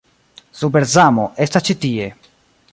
Super-Zamo estas ĉi tie